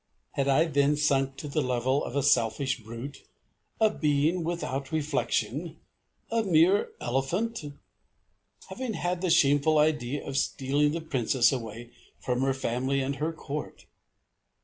Had I then sunk to the level of a selfish brute a being without reflection a mere elephant? having had the shameful idea of stealing the Princess away from her family and her Court....